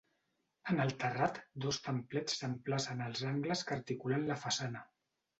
En el terrat, dos templets s'emplacen als angles que articulen la façana.